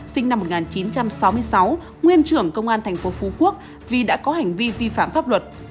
sinh năm một nghìn chín trăm sáu mươi sáu nguyên trưởng công an tp phú quốc vì đã có hành vi vi phạm pháp luật